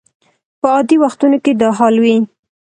په عادي وختونو کې دا حال وي.